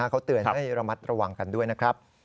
เขาเตือนให้ระมัดระวังกันด้วยนะครับ